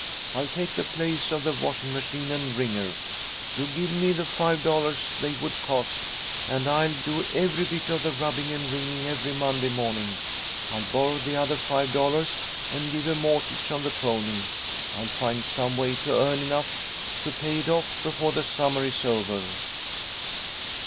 I'll take the place of the washing machine and wringer. You give me the five dollars they would cost, and I'll do every bit of the rubbing and wringing every Monday morning. I'll borrow the other five dollars, and give a mortgage on the pony. I'll find some way to earn enough to pay it off before the summer is over."